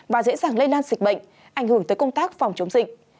và dễ dàng lây lan dịch bệnh ảnh hưởng tới công tác phòng chống dịch